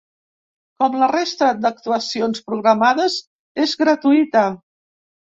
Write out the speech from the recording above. Com la resta d’actuacions programades, és gratuïta.